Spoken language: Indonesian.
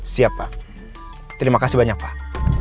siap pak terima kasih banyak pak